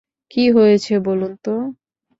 কী হয়েছে বলুন তো?